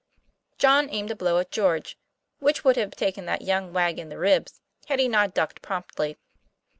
John aimed a blow at George, which would have taken that young wag in the ribs, had he not ducked promptly.